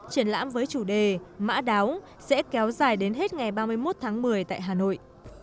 triển lãm với chủ đề mã đáo sẽ kéo dài đến hết ngày ba mươi một tháng một mươi tại hà nội